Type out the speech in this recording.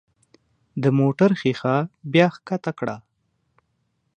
د موټر ښيښه بیا ښکته کړه.